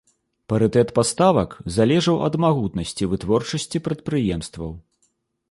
Парытэт паставак залежаў ад магутнасці вытворчасці прадпрыемстваў.